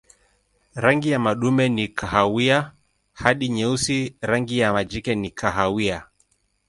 Rangi ya madume ni kahawia hadi nyeusi, rangi ya majike ni kahawia.